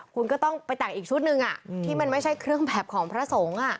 คุณก็ต้องไปแต่งอีกชุดหนึ่งที่มันไม่ใช่เครื่องแบบของพระสงฆ์